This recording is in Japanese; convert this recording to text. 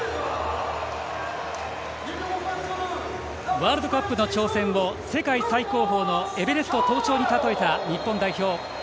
ワールドカップの挑戦を世界最高峰のエベレスト登頂にたとえた日本代表。